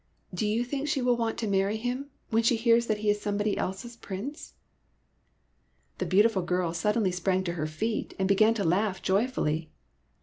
Do you think she will want to marry him, when she hears that he is somebody else's Prince ?" The beautiful girl suddenly sprang to her feet and began to laugh joyfully.